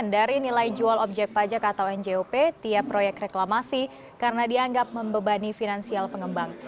dari nilai jual objek pajak atau njop tiap proyek reklamasi karena dianggap membebani finansial pengembang